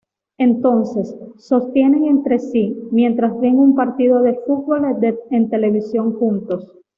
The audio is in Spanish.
Entonces, sostienen entre sí, mientras ven un partido de fútbol en televisión juntos.